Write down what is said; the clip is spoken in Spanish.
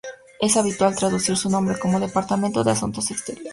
Es habitual traducir su nombre como "Departamento de Asuntos Exteriores".